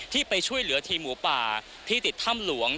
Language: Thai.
ที่ไปช่วยเหลือทีมหมูป่าที่ติดถ้ำหลวง